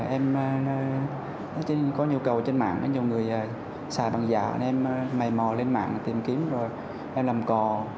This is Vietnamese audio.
em có nhu cầu trên mạng nhiều người xài bằng giả anh em mầy mò lên mạng tìm kiếm rồi em làm cò